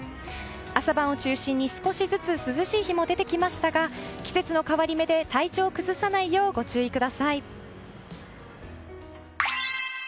朝晩を中心に少しずつ涼しい日も出てきましたが季節の変わり目で体調を崩さないようご注意ください。